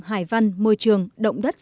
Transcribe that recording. hải văn môi trường động đất